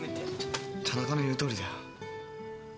田中の言うとおりだよ。